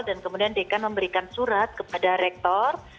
dan kemudian dekan memberikan surat kepada rektor